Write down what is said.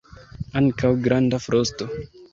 Ankaŭ granda frosto.